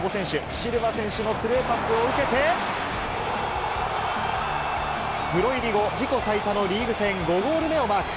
シルバ選手のスルーパスを受けて、プロ入り後、自己最多のリーグ戦５ゴール目をマーク。